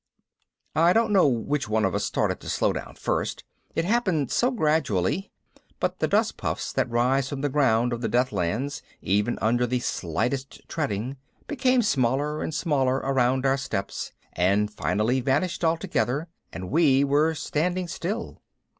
I don't know which one of us started to slow down first, it happened so gradually, but the dust puffs that rise from the ground of the Deathlands under even the lightest treading became smaller and smaller around our steps and finally vanished altogether, and we were standing still.